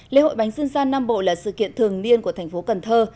lễ hội bánh dân gian nam bộ là sự kiện thường niên của thành phố cần thơ